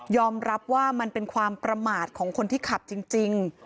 รับว่ามันเป็นความประมาทของคนที่ขับจริง